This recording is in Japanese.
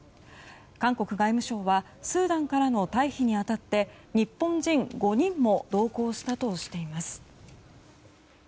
韓国外務省はスーダンからの退避に当たって日本人５人も同行したとしています。